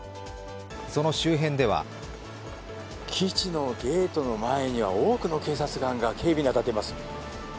その周辺では基地のゲートの前には多くの警察官が警備に当たっています。